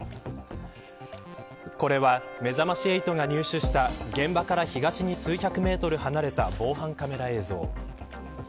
これは、めざまし８が入手した現場から東に数百メートル離れた防犯カメラ映像。